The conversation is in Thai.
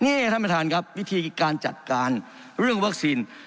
นี่ท่านประธานครับวิธีการจัดการเรื่องวัคซีน